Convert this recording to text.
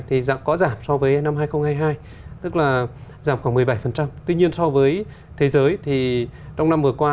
thì có giảm so với năm hai nghìn hai mươi hai tức là giảm khoảng một mươi bảy tuy nhiên so với thế giới thì trong năm vừa qua